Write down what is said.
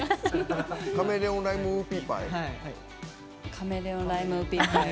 カメレオン・ライム・ウーピーパイ。